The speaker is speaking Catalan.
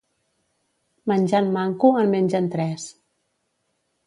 Menjant manco en mengen tres.